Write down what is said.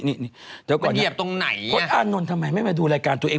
เดี๋ยวก่อนเหยียบตรงไหนพจนอานนท์ทำไมไม่มาดูรายการตัวเอง